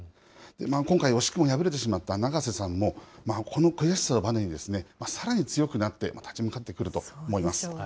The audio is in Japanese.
今回惜しくも敗れてしまった永瀬さんも、この悔しさをばねに、さらに強くなって、立ち向かってくると思います。